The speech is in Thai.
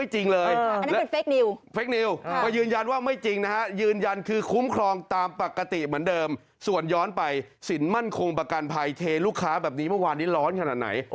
เห็นลูกค้าแบบนี้เมื่อวานนี้ร้อนขนาดไหน